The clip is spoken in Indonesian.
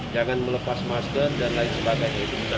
jangan melepas masker dan lain sebagainya